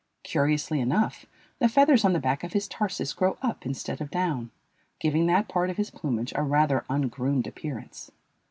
Curiously enough, the feathers on the back of his tarsus grow up instead of down, giving that part of his plumage a rather ungroomed appearance.